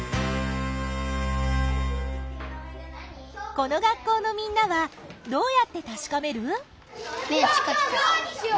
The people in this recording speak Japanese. この学校のみんなはどうやってたしかめる？